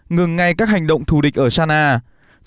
ngừng ngay các hành động thù địch ở sanaa